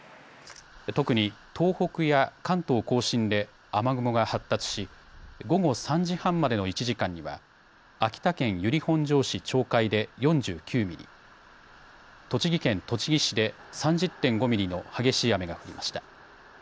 特に東北や関東甲信で雨雲が発達し午後３時半までの１時間には秋田県由利本荘市鳥海で４９ミリ、栃木県栃木市で３０．５ミリの激しい雨が降りました。